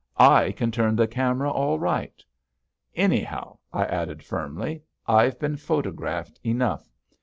I can turn the camera all right. Anyhow," I added firmly, "I've been photographed enough.